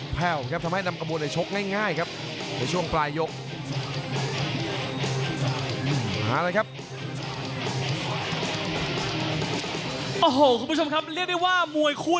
พยายามจะเติม